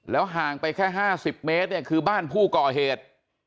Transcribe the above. แล้วห่างไปแค่๕๐เมตรคือบ้านผู้ก่อเหตุ